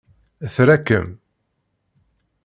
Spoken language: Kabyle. Tra-kem!